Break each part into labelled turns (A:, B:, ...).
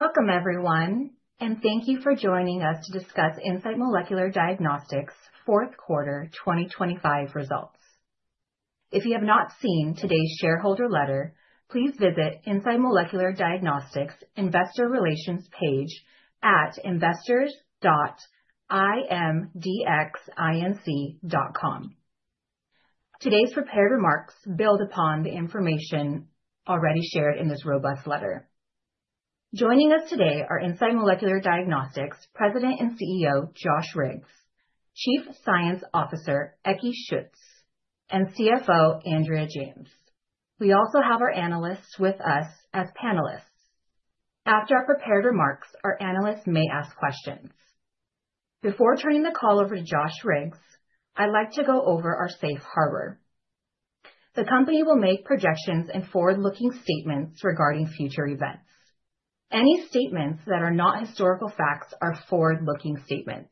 A: Welcome everyone, and thank you for joining us to discuss Insight Molecular Diagnostics' fourth quarter 2025 results. If you have not seen today's shareholder letter, please visit Insight Molecular Diagnostics Investor Relations page at investors.imdxinc.com. Today's prepared remarks build upon the information already shared in this robust letter. Joining us today are Insight Molecular Diagnostics President and CEO, Josh Riggs, Chief Science Officer, Ecki Schütz, and CFO, Andrea James. We also have our analysts with us as panelists. After our prepared remarks, our analysts may ask questions. Before turning the call over to Josh Riggs, I'd like to go over our safe harbor. The company will make projections and forward-looking statements regarding future events. Any statements that are not historical facts are forward-looking statements.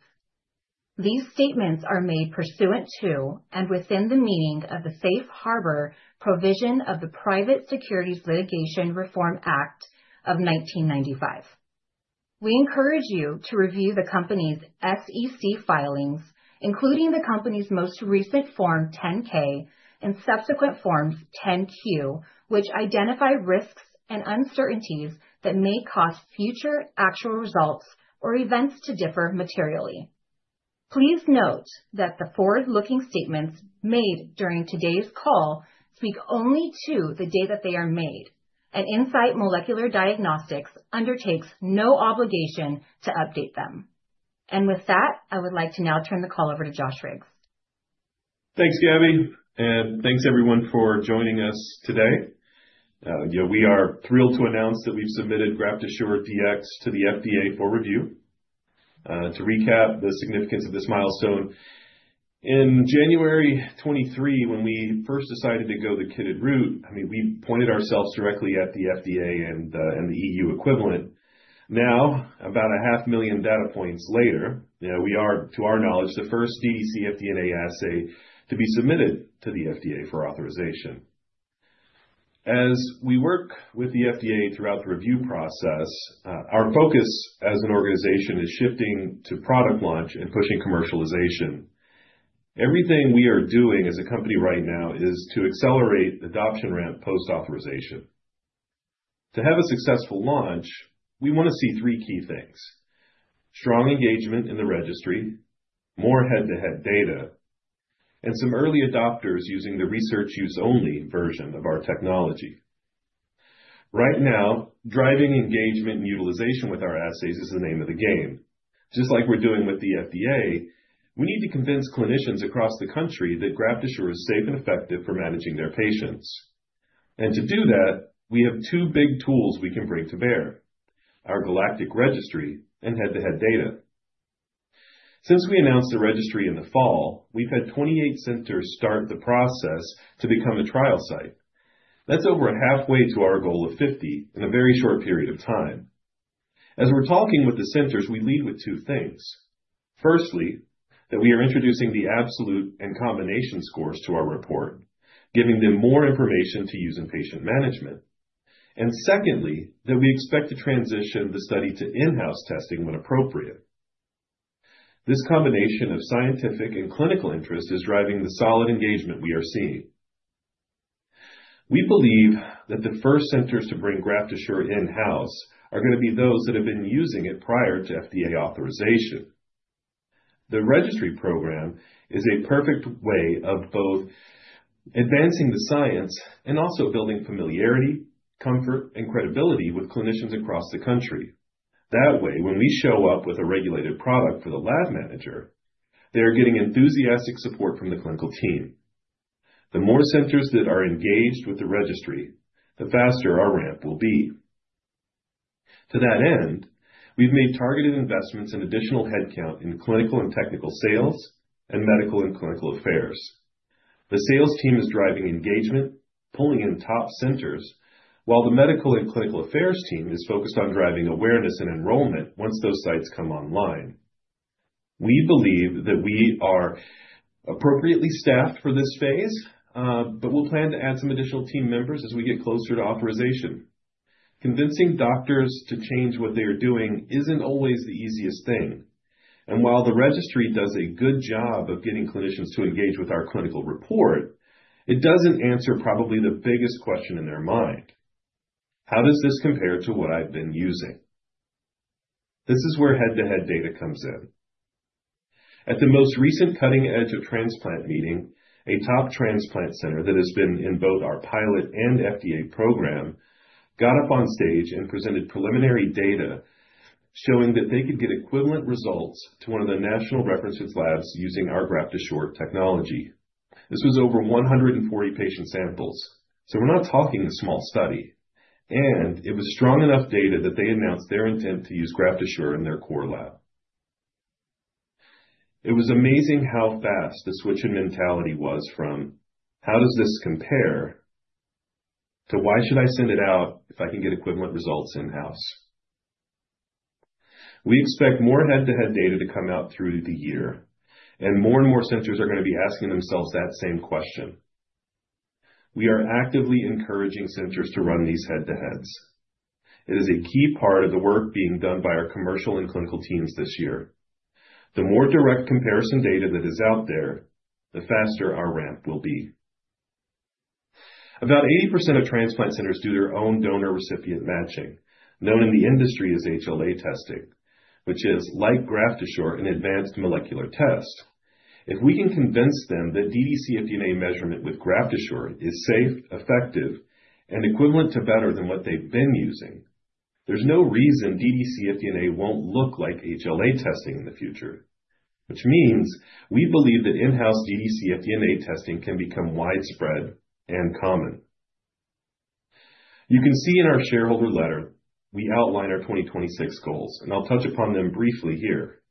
A: These statements are made pursuant to and within the meaning of the safe harbor provision of the Private Securities Litigation Reform Act of 1995. We encourage you to review the company's SEC filings, including the company's most recent Form 10-K and subsequent Forms 10-Q, which identify risks and uncertainties that may cause future actual results or events to differ materially. Please note that the forward-looking statements made during today's call speak only to the day that they are made, and Insight Molecular Diagnostics undertakes no obligation to update them. With that, I would like to now turn the call over to Josh Riggs.
B: Thanks, Gabby, and thanks everyone for joining us today. You know, we are thrilled to announce that we've submitted GraftAssureDx to the FDA for review. To recap the significance of this milestone, in January 2023, when we first decided to go the kitted route, I mean, we pointed ourselves directly at the FDA and the EU equivalent. Now, about 500,000 data points later, you know, we are, to our knowledge, the first dd-cfDNA assay to be submitted to the FDA for authorization. As we work with the FDA throughout the review process, our focus as an organization is shifting to product launch and pushing commercialization. Everything we are doing as a company right now is to accelerate adoption ramp post-authorization. To have a successful launch, we wanna see three key things, strong engagement in the registry, more head-to-head data, and some early adopters using the research use only version of our technology. Right now, driving engagement and utilization with our assays is the name of the game. Just like we're doing with the FDA, we need to convince clinicians across the country that GraftAssure is safe and effective for managing their patients. To do that, we have two big tools we can bring to bear, our GALACTIC registry and head-to-head data. Since we announced the registry in the fall, we've had 28 centers start the process to become a trial site. That's over halfway to our goal of 50 in a very short period of time. As we're talking with the centers, we lead with two things. Firstly, that we are introducing the absolute and combination scores to our report, giving them more information to use in patient management. Secondly, that we expect to transition the study to in-house testing when appropriate. This combination of scientific and clinical interest is driving the solid engagement we are seeing. We believe that the first centers to bring GraftAssure in-house are gonna be those that have been using it prior to FDA authorization. The registry program is a perfect way of both advancing the science and also building familiarity, comfort, and credibility with clinicians across the country. That way, when we show up with a regulated product for the lab manager, they are getting enthusiastic support from the clinical team. The more centers that are engaged with the registry, the faster our ramp will be. To that end, we've made targeted investments in additional headcount in clinical and technical sales, and medical and clinical affairs. The sales team is driving engagement, pulling in top centers, while the medical and clinical affairs team is focused on driving awareness and enrollment once those sites come online. We believe that we are appropriately staffed for this phase, but we'll plan to add some additional team members as we get closer to authorization. Convincing doctors to change what they are doing isn't always the easiest thing, and while the registry does a good job of getting clinicians to engage with our clinical report, it doesn't answer probably the biggest question in their mind. How does this compare to what I've been using? This is where head-to-head data comes in. At the most recent Cutting Edge of Transplantation meeting, a top transplant center that has been in both our pilot and FDA program got up on stage and presented preliminary data showing that they could get equivalent results to one of the national reference labs using our GraftAssure technology. This was over 140 patient samples, so we're not talking a small study, and it was strong enough data that they announced their intent to use GraftAssure in their core lab. It was amazing how fast the switch in mentality was from how does this compare to why should I send it out if I can get equivalent results in-house? We expect more head-to-head data to come out through the year, and more and more centers are gonna be asking themselves that same question. We are actively encouraging centers to run these head-to-heads. It is a key part of the work being done by our commercial and clinical teams this year. The more direct comparison data that is out there, the faster our ramp will be. About 80% of transplant centers do their own donor recipient matching, known in the industry as HLA testing, which is like GraftAssure, an advanced molecular test. If we can convince them that dd-cfDNA measurement with GraftAssure is safe, effective, and equivalent to better than what they've been using, there's no reason dd-cfDNA won't look like HLA testing in the future, which means we believe that in-house dd-cfDNA testing can become widespread and common. You can see in our shareholder letter, we outline our 2026 goals, and I'll touch upon them briefly here.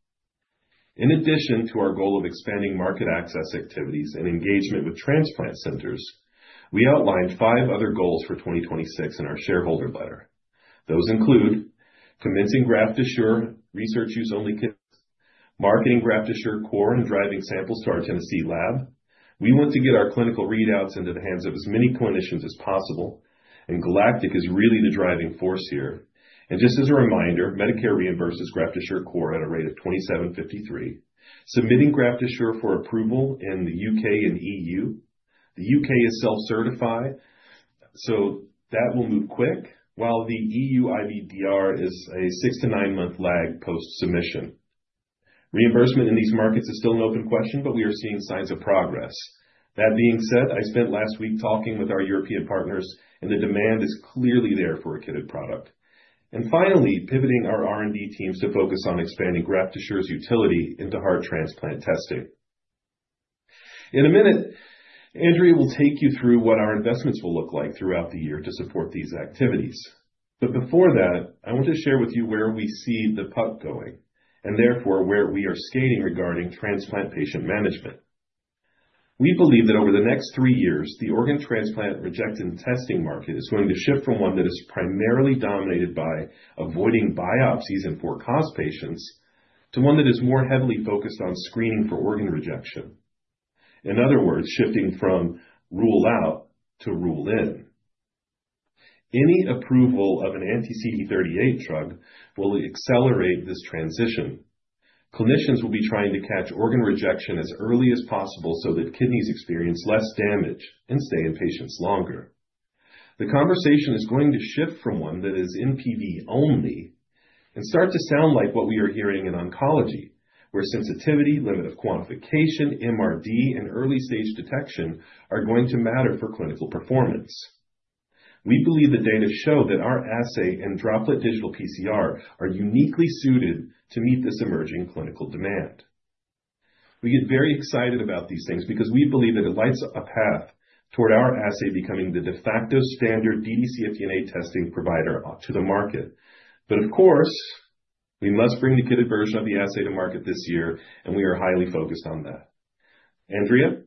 B: In addition to our goal of expanding market access activities and engagement with transplant centers, we outlined five other goals for 2026 in our shareholder letter. Those include commencing GraftAssure research use only kits, marketing GraftAssureCore and driving samples to our Tennessee lab. We want to get our clinical readouts into the hands of as many clinicians as possible, and GALACTIC is really the driving force here. Just as a reminder, Medicare reimburses GraftAssureCore at a rate of $2,753. Submitting GraftAssure for approval in the U.K. and EU. The U.K. is self-certified, so that will move quick, while the EU IVDR is a 6-9 month lag post submission. Reimbursement in these markets is still an open question, but we are seeing signs of progress. That being said, I spent last week talking with our European partners, and the demand is clearly there for a kitted product. Finally, pivoting our R&D teams to focus on expanding GraftAssure's utility into heart transplant testing. In a minute, Andrea will take you through what our investments will look like throughout the year to support these activities. Before that, I want to share with you where we see the puck going, and therefore, where we are skating regarding transplant patient management. We believe that over the next three years, the organ transplant rejection testing market is going to shift from one that is primarily dominated by avoiding biopsies in poor cause patients to one that is more heavily focused on screening for organ rejection. In other words, shifting from rule out to rule in. Any approval of an anti-CD38 drug will accelerate this transition. Clinicians will be trying to catch organ rejection as early as possible so that kidneys experience less damage and stay in patients longer. The conversation is going to shift from one that is NPV only and start to sound like what we are hearing in oncology, where sensitivity, limit of quantification, MRD, and early stage detection are going to matter for clinical performance. We believe the data show that our assay and Droplet Digital PCR are uniquely suited to meet this emerging clinical demand. We get very excited about these things, because we believe that it lights a path toward our assay becoming the de facto standard dd-cfDNA testing provider to the market. Of course, we must bring the kitted version of the assay to market this year, and we are highly focused on that. Andrea?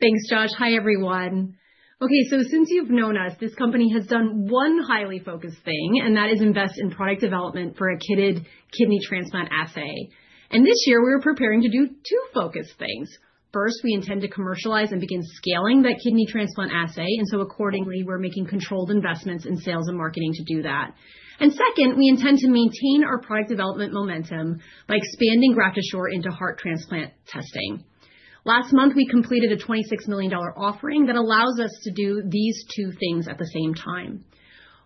C: Thanks, Josh. Hi, everyone. Okay, since you've known us, this company has done one highly focused thing, and that is invest in product development for a kitted kidney transplant assay. This year, we're preparing to do two focused things. First, we intend to commercialize and begin scaling that kidney transplant assay, and so accordingly, we're making controlled investments in sales and marketing to do that. Second, we intend to maintain our product development momentum by expanding GraftAssure into heart transplant testing. Last month, we completed a $26 million offering that allows us to do these two things at the same time.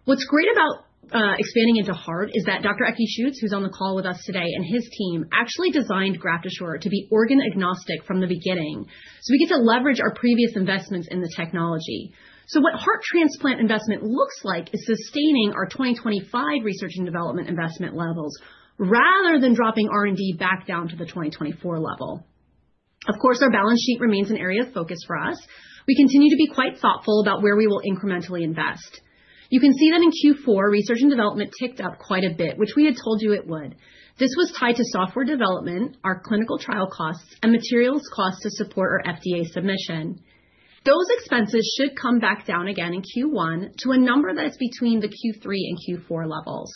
C: What's great about expanding into heart is that Dr. Ekkehard Schütz, who's on the call with us today, and his team actually designed GraftAssure to be organ agnostic from the beginning, so we get to leverage our previous investments in the technology. What heart transplant investment looks like is sustaining our 2025 research and development investment levels rather than dropping R&D back down to the 2024 level. Of course, our balance sheet remains an area of focus for us. We continue to be quite thoughtful about where we will incrementally invest. You can see that in Q4, research and development ticked up quite a bit, which we had told you it would. This was tied to software development, our clinical trial costs, and materials cost to support our FDA submission. Those expenses should come back down again in Q1 to a number that's between the Q3 and Q4 levels.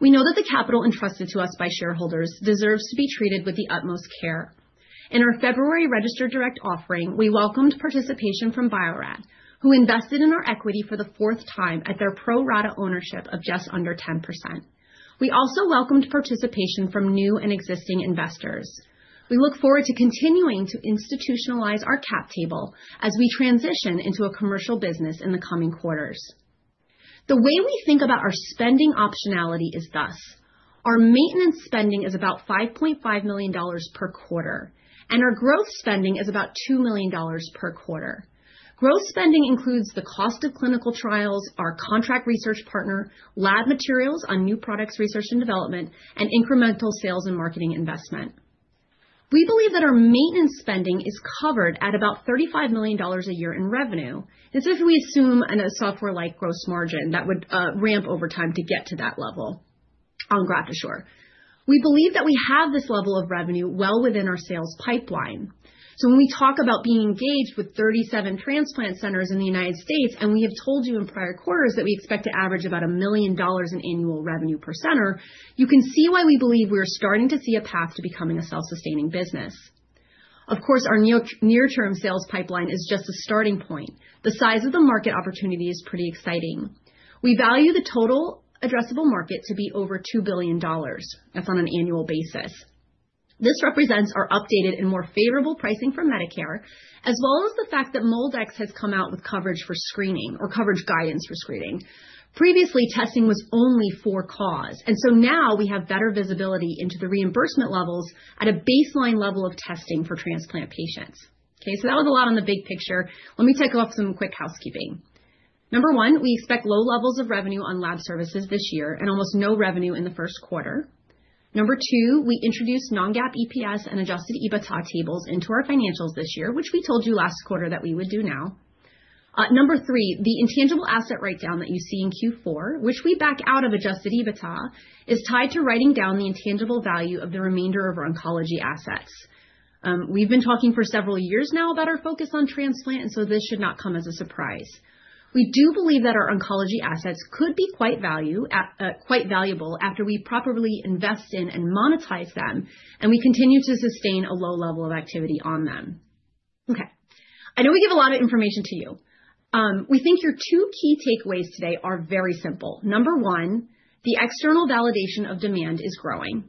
C: We know that the capital entrusted to us by shareholders deserves to be treated with the utmost care. In our February registered direct offering, we welcomed participation from Bio-Rad, who invested in our equity for the fourth time at their pro rata ownership of just under 10%. We also welcomed participation from new and existing investors. We look forward to continuing to institutionalize our cap table as we transition into a commercial business in the coming quarters. The way we think about our spending optionality is thus: Our maintenance spending is about $5.5 million per quarter, and our growth spending is about $2 million per quarter. Growth spending includes the cost of clinical trials, our contract research partner, lab materials on new products research and development, and incremental sales and marketing investment. We believe that our maintenance spending is covered at about $35 million a year in revenue, especially if we assume a software-like gross margin that would ramp over time to get to that level on GraftAssure. We believe that we have this level of revenue well within our sales pipeline. When we talk about being engaged with 37 transplant centers in the United States, and we have told you in prior quarters that we expect to average about $1 million in annual revenue per center, you can see why we believe we are starting to see a path to becoming a self-sustaining business. Of course, our near-term sales pipeline is just a starting point. The size of the market opportunity is pretty exciting. We value the total addressable market to be over $2 billion. That's on an annual basis. This represents our updated and more favorable pricing for Medicare, as well as the fact that MolDX has come out with coverage for screening or coverage guidance for screening. Previously, testing was only for cause, so now we have better visibility into the reimbursement levels at a baseline level of testing for transplant patients. Okay, so that was a lot on the big picture. Let me tick off some quick housekeeping. Number one, we expect low levels of revenue on lab services this year and almost no revenue in the first quarter. Number two, we introduced non-GAAP EPS and adjusted EBITDA tables into our financials this year, which we told you last quarter that we would do now. Number 3, the intangible asset write-down that you see in Q4, which we back out of adjusted EBITDA, is tied to writing down the intangible value of the remainder of our oncology assets. We've been talking for several years now about our focus on transplant, and so this should not come as a surprise. We do believe that our oncology assets could be quite valuable after we properly invest in and monetize them, and we continue to sustain a low level of activity on them. Okay, I know we give a lot of information to you. We think your 2 key takeaways today are very simple. Number 1, the external validation of demand is growing.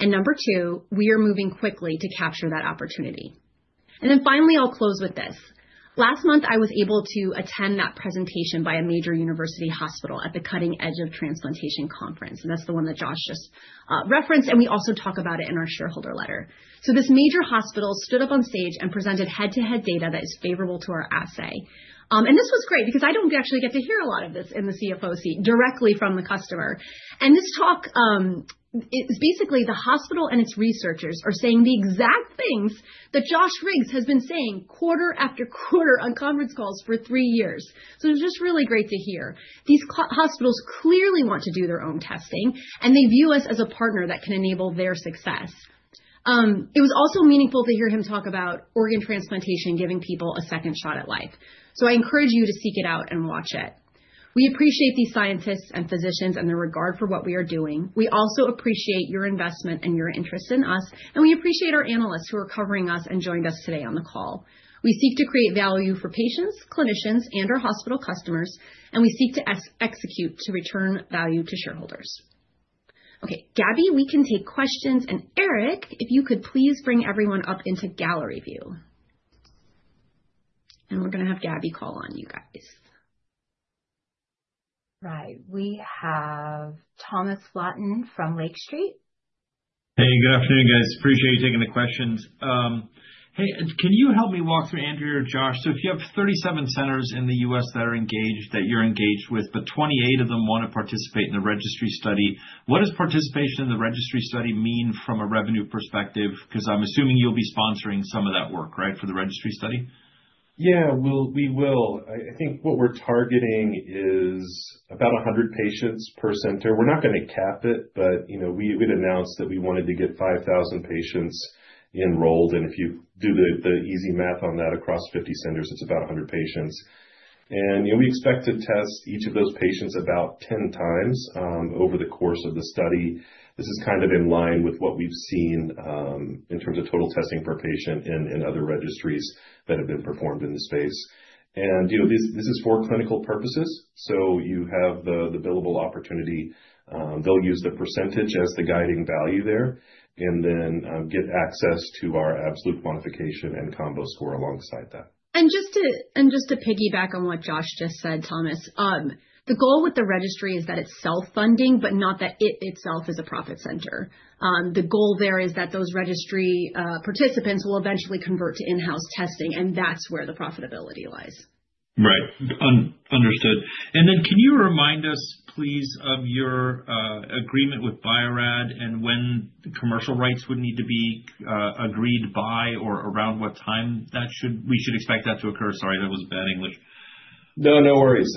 C: Number 2, we are moving quickly to capture that opportunity. Finally, I'll close with this. Last month, I was able to attend that presentation by a major university hospital at the Cutting Edge of Transplantation Conference, and that's the one that Josh just referenced, and we also talk about it in our shareholder letter. This major hospital stood up on stage and presented head-to-head data that is favorable to our assay. This was great because I don't actually get to hear a lot of this in the CFO seat directly from the customer. This talk, it's basically the hospital and its researchers are saying the exact things that Josh Riggs has been saying quarter after quarter on conference calls for three years. It's just really great to hear. These hospitals clearly want to do their own testing, and they view us as a partner that can enable their success. It was also meaningful to hear him talk about organ transplantation giving people a second shot at life. I encourage you to seek it out and watch it. We appreciate these scientists and physicians and their regard for what we are doing. We also appreciate your investment and your interest in us, and we appreciate our analysts who are covering us and joined us today on the call. We seek to create value for patients, clinicians, and our hospital customers, and we seek to execute to return value to shareholders. Okay, Gabby, we can take questions. Eric, if you could please bring everyone up into gallery view. We're gonna have Gabby call on you guys.
A: Right. We have Thomas Flaten from Lake Street.
D: Hey, good afternoon, guys. Appreciate you taking the questions. Hey, can you help me walk through, Andrea or Josh, so if you have 37 centers in the U.S. that are engaged, that you're engaged with, but 28 of them wanna participate in the registry study, what does participation in the registry study mean from a revenue perspective? 'Cause I'm assuming you'll be sponsoring some of that work, right, for the registry study?
B: Yeah, we will. I think what we're targeting is about 100 patients per center. We're not gonna cap it, but you know, we'd announced that we wanted to get 5,000 patients enrolled, and if you do the easy math on that across 50 centers, it's about 100 patients. You know, we expect to test each of those patients about 10 times over the course of the study. This is kind of in line with what we've seen in terms of total testing per patient in other registries that have been performed in this space. You know, this is for clinical purposes, so you have the billable opportunity. They'll use the percentage as the guiding value there, and then get access to our absolute quantification and combo score alongside that.
C: Just to piggyback on what Josh just said, Thomas, the goal with the registry is that it's self-funding, but not that it itself is a profit center. The goal there is that those registry participants will eventually convert to in-house testing, and that's where the profitability lies.
D: Right. Understood. Can you remind us, please, of your agreement with Bio-Rad and when the commercial rights would need to be agreed by or around what time we should expect that to occur? Sorry, that was bad English.
B: No, no worries.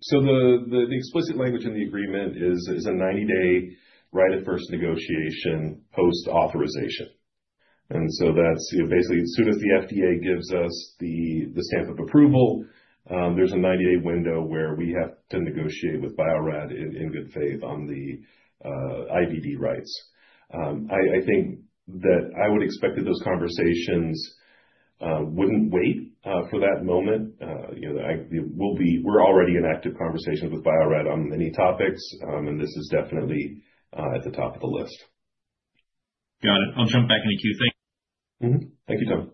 B: So the explicit language in the agreement is a 90-day right of first negotiation post-authorization. That's, you know, basically as soon as the FDA gives us the stamp of approval, there's a 90-day window where we have to negotiate with Bio-Rad in good faith on the IVD rights. I think that I would expect that those conversations wouldn't wait for that moment. You know, we're already in active conversations with Bio-Rad on many topics, and this is definitely at the top of the list.
D: Got it. I'll jump back in the queue. Thank you.
B: Thank you, Tom.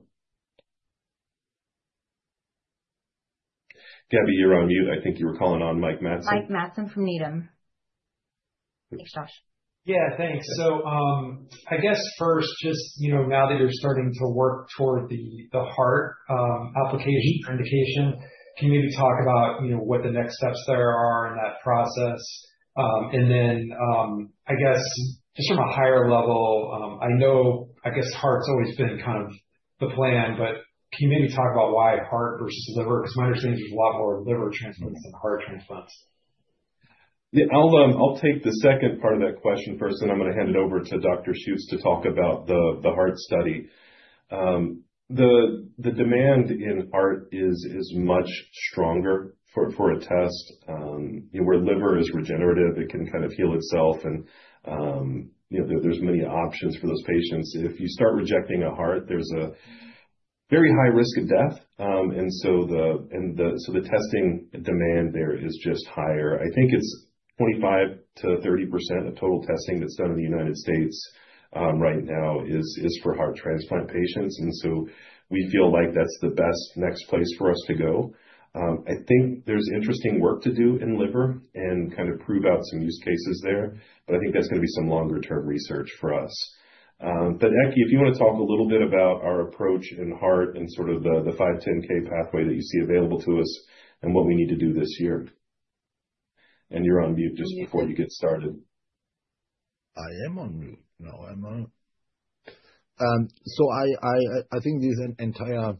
B: Gabby, you're on mute. I think you were calling on Mike Matson.
A: Mike Matson from Needham. Thanks, Josh.
E: Yeah, thanks. I guess first just, you know, now that you're starting to work toward the heart indication, can you maybe talk about what the next steps there are in that process? I guess just from a higher level, I know, I guess heart's always been kind of the plan, but can you maybe talk about why heart versus liver? 'Cause my understanding is there's a lot more liver transplants than heart transplants.
B: Yeah. I'll take the second part of that question first, then I'm gonna hand it over to Dr. Schutz to talk about the heart study. The demand in heart is much stronger for a test. Where liver is regenerative, it can kind of heal itself and you know, there's many options for those patients. If you start rejecting a heart, there's a very high risk of death. The testing demand there is just higher. I think it's 25%-30% of total testing that's done in the United States right now is for heart transplant patients. We feel like that's the best next place for us to go. I think there's interesting work to do in liver and kind of prove out some use cases there, but I think that's gonna be some longer term research for us. Ecki, if you wanna talk a little bit about our approach in heart and sort of the 510(k) pathway that you see available to us and what we need to do this year. You're on mute just before you get started.
F: I am on mute. No, I'm on. I think this entire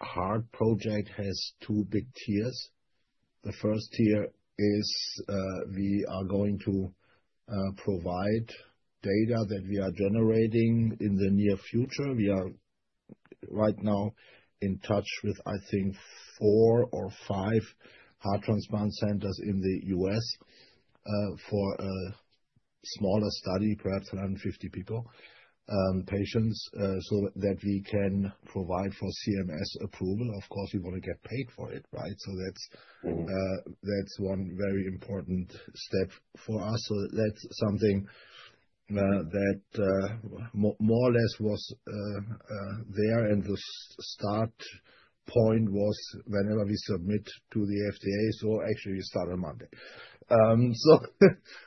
F: heart project has two big tiers. The first tier is, we are going to provide data that we are generating in the near future. We are right now in touch with, I think, four or five heart transplant centers in the U.S., for a smaller study, perhaps 150 people, patients, so that we can provide for CMS approval. Of course, we want to get paid for it, right? That's-
B: Mm-hmm.
F: That's one very important step for us. That's something that, more or less was there and the start point was whenever we submit to the FDA. Actually we start on Monday.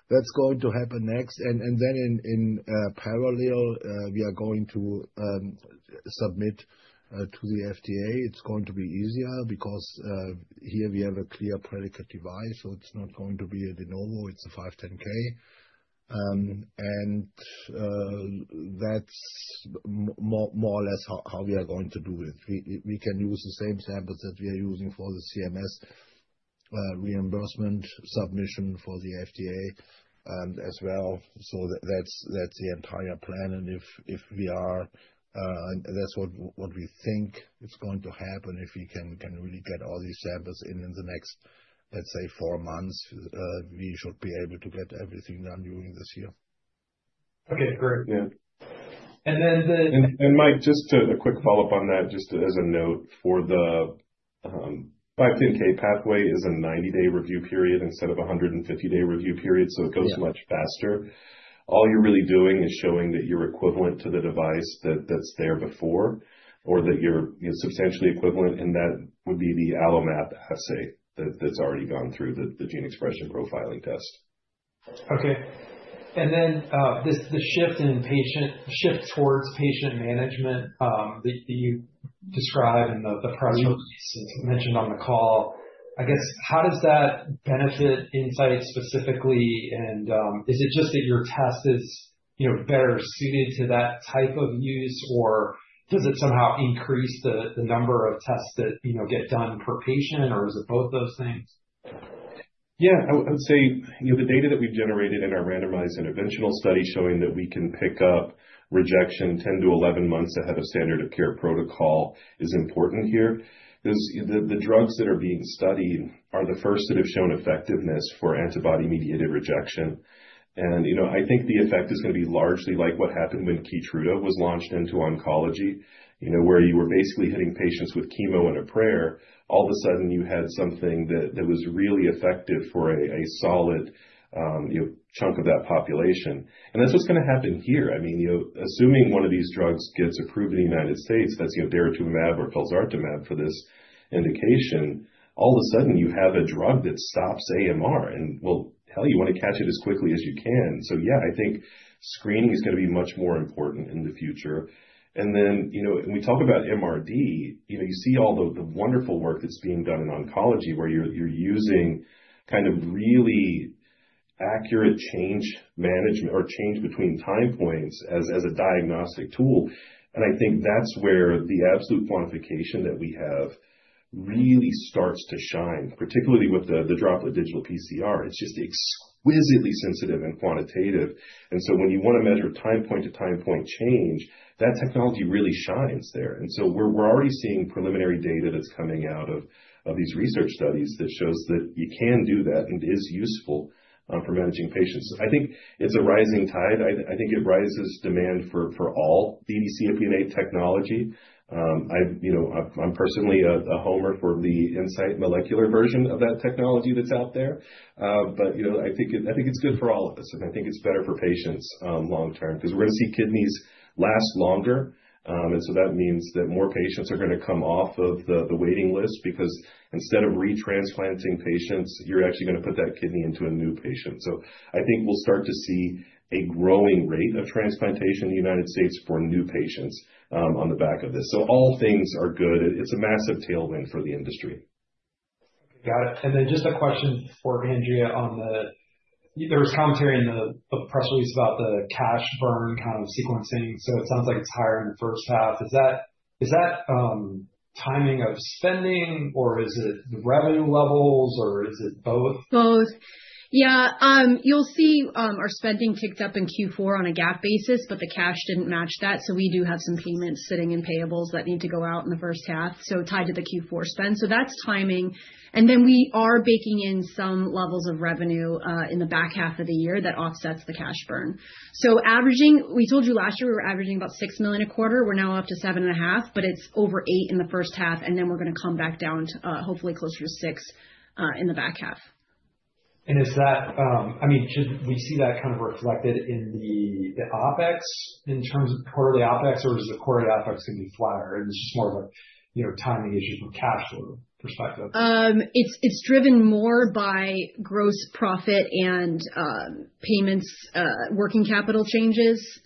F: That's going to happen next. Then in parallel, we are going to submit to the FDA. It's going to be easier because here we have a clear predicate device, so it's not going to be a De Novo, it's a 510(k). And that's more or less how we are going to do it. We can use the same samples that we are using for the CMS reimbursement submission for the FDA as well. That's the entire plan. If we are, and that's what we think is going to happen, if we can really get all these samples in the next, let's say, four months, we should be able to get everything done during this year.
E: Okay, great.
B: Yeah.
E: And then the-
B: Mike, just a quick follow-up on that, just as a note for the 510(k) pathway is a 90-day review period instead of a 150-day review period, so it goes much faster. All you're really doing is showing that you're equivalent to the device that's there before or that you're substantially equivalent, and that would be the AlloMap assay that's already gone through the gene expression profiling test.
E: Okay. The shift towards patient management that you described in the press release mentioned on the call, I guess, how does that benefit Insight specifically? Is it just that your test is, you know, better suited to that type of use, or does it somehow increase the number of tests that, you know, get done per patient, or is it both those things?
B: Yeah. I would say, you know, the data that we've generated in our randomized interventional study showing that we can pick up rejection 10-11 months ahead of standard of care protocol is important here. 'Cause the drugs that are being studied are the first that have shown effectiveness for antibody-mediated rejection. You know, I think the effect is gonna be largely like what happened when Keytruda was launched into oncology. You know, where you were basically hitting patients with chemo and a prayer. All of a sudden you had something that was really effective for a solid, you know, chunk of that population. That's what's gonna happen here. I mean, you know, assuming one of these drugs gets approved in the United States, that's, you know, daratumumab or felzartamab for this indication, all of a sudden you have a drug that stops AMR and well, hell, you wanna catch it as quickly as you can. Yeah, I think screening is gonna be much more important in the future. Then, you know, when we talk about MRD, you know, you see all the wonderful work that's being done in oncology where you're using kind of really accurate change management or change between time points as a diagnostic tool. I think that's where the absolute quantification that we have really starts to shine, particularly with the Droplet Digital PCR. It's just exquisitely sensitive and quantitative. When you wanna measure time point to time point change, that technology really shines there. We're already seeing preliminary data that's coming out of these research studies that shows that you can do that and is useful for managing patients. I think it's a rising tide. I think it rises demand for all dd-cfDNA or PMA technology. You know, I'm personally a homer for the Insight Molecular version of that technology that's out there. You know, I think it's good for all of us, and I think it's better for patients long term, 'cause we're gonna see kidneys last longer. That means that more patients are gonna come off of the waiting list because instead of retransplanting patients, you're actually gonna put that kidney into a new patient. I think we'll start to see a growing rate of transplantation in the United States for new patients, on the back of this. All things are good. It's a massive tailwind for the industry.
E: Got it. Just a question for Andrea. There was commentary in the press release about the cash burn kind of sequencing, so it sounds like it's higher in the first half. Is that Is that, timing of spending or is it the revenue levels or is it both?
C: Both. Yeah. You'll see our spending ticked up in Q4 on a GAAP basis, but the cash didn't match that. We do have some payments sitting in payables that need to go out in the first half, so tied to the Q4 spend. That's timing. Then we are baking in some levels of revenue in the back half of the year that offsets the cash burn. Averaging, we told you last year we were averaging about $6 million a quarter. We're now up to 7.5, but it's over 8 in the first half, and then we're gonna come back down to hopefully closer to 6 in the back half.
B: Is that, I mean, should we see that kind of reflected in the OpEx in terms of quarterly OpEx? Or is the quarterly OpEx gonna be flatter and it's just more of a, you know, timing issue from a cash flow perspective?
E: It's driven more by gross profit and payments, working capital changes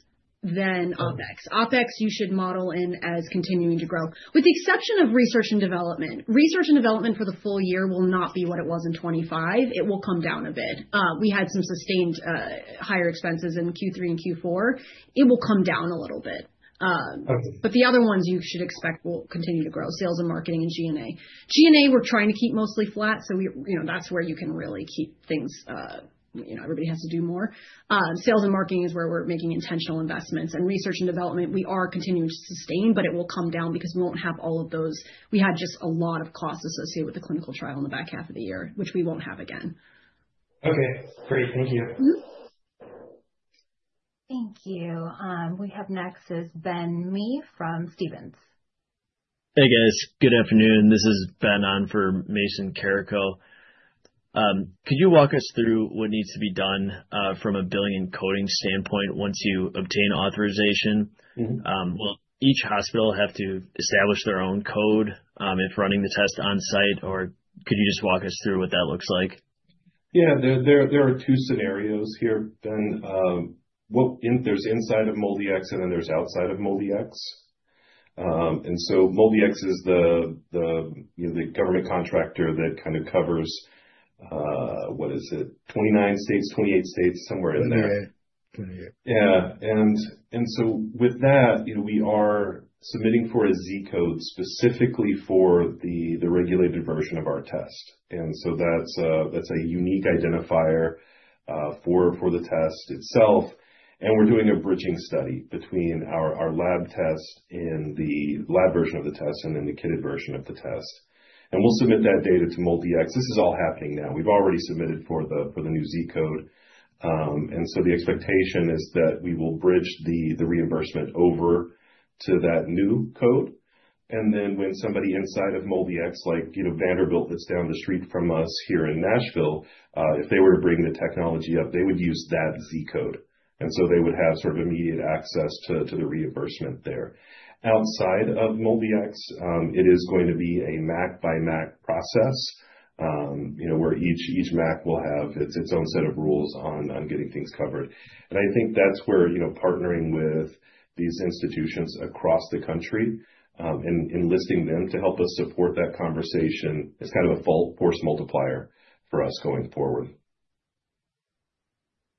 E: than OpEx. OpEx you should model in as continuing to grow with the exception of research and development. Research and development for the full year will not be what it was in 2025. It will come down a bit. We had some sustained higher expenses in Q3 and Q4. It will come down a little bit. Okay.
C: The other ones you should expect will continue to grow, sales and marketing and G&A. G&A we're trying to keep mostly flat, so we, you know, that's where you can really keep things, you know, everybody has to do more. Sales and marketing is where we're making intentional investments. In research and development we are continuing to sustain, but it will come down because we won't have all of those. We had just a lot of costs associated with the clinical trial in the back half of the year, which we won't have again.
E: Okay, great. Thank you.
C: Mm-hmm.
A: Thank you. We have next is Ben Mee from Stephens.
G: Hey, guys. Good afternoon. This is Ben on for Mason Carrico. Could you walk us through what needs to be done, from a billing and coding standpoint once you obtain authorization?
B: Mm-hmm.
G: Will each hospital have to establish their own code, if running the test on-site, or could you just walk us through what that looks like?
B: Yeah. There are two scenarios here, Ben. There's inside of MolDX and then there's outside of MolDX. MolDX is the, you know, the government contractor that kind of covers what is it, 29 states, 28 states, somewhere in there.
G: 28.
B: Yeah. With that, you know, we are submitting for a Z-code specifically for the regulated version of our test. That's a unique identifier for the test itself. We're doing a bridging study between our lab test, the lab version of the test and the kitted version of the test. We'll submit that data to MolDX. This is all happening now. We've already submitted for the new Z-code. The expectation is that we will bridge the reimbursement over to that new code. Then when somebody inside of MolDX, like, you know, Vanderbilt that's down the street from us here in Nashville, if they were to bring the technology up, they would use that Z-code, and so they would have sort of immediate access to the reimbursement there. Outside of MolDX, it is going to be a MAC by MAC process, you know, where each MAC will have its own set of rules on getting things covered. I think that's where, you know, partnering with these institutions across the country, and enlisting them to help us support that conversation is kind of a full force multiplier for us going forward.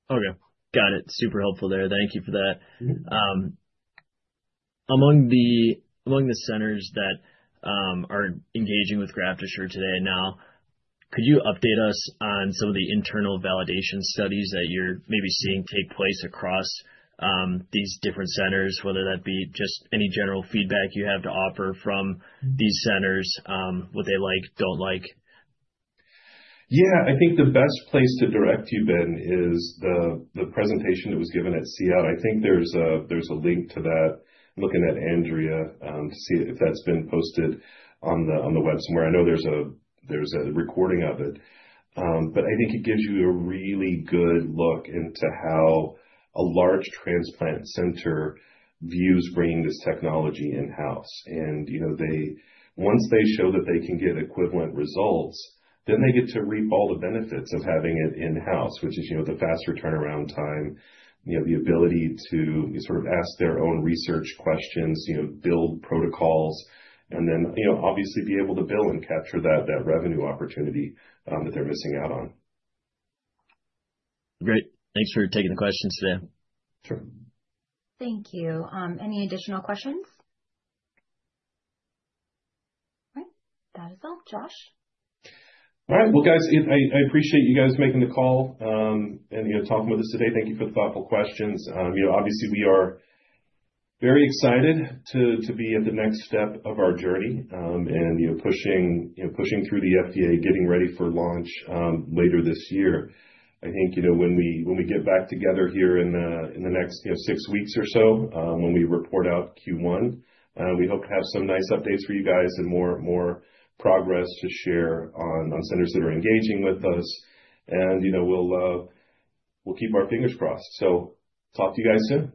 G: Okay. Got it. Super helpful there. Thank you for that.
B: Mm-hmm.
G: Among the centers that are engaging with GraftAssure today now, could you update us on some of the internal validation studies that you're maybe seeing take place across these different centers, whether that be just any general feedback you have to offer from these centers, what they like, don't like?
B: Yeah. I think the best place to direct you, Ben, is the presentation that was given at SEED. I think there's a link to that. I'm looking at Andrea to see if that's been posted on the web somewhere. I know there's a recording of it. I think it gives you a really good look into how a large transplant center views bringing this technology in-house. You know, once they show that they can get equivalent results, then they get to reap all the benefits of having it in-house, which is, you know, the faster turnaround time, you know, the ability to sort of ask their own research questions, you know, build protocols and then, you know, obviously be able to bill and capture that revenue opportunity that they're missing out on.
G: Great. Thanks for taking the questions today.
B: Sure.
A: Thank you. Any additional questions? All right. That is all. Josh?
B: All right. Well, guys, I appreciate you guys making the call, and, you know, talking with us today. Thank you for the thoughtful questions. You know, obviously we are very excited to be at the next step of our journey, and, you know, pushing through the FDA, getting ready for launch later this year. I think, you know, when we get back together here in the next six weeks or so, when we report out Q1, we hope to have some nice updates for you guys and more progress to share on centers that are engaging with us. You know, we'll keep our fingers crossed. Talk to you guys soon.